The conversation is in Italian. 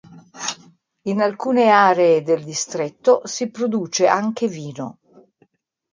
In alcune aree del distretto si produce anche vino.